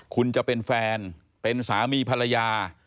คุณจะเป็นแฟนเป็นสามีภรรยา